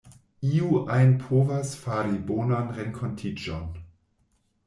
Iu ajn povas fari bonan renkontiĝon.